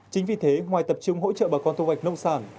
chính vì thế ngoài tập trung hỗ trợ bà con thu hoạch nông sản